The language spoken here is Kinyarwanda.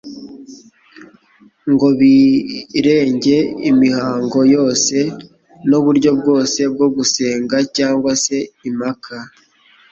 ngo birenge imihango yose n'uburyo bwose bwo gusenga cyangwa se impaka.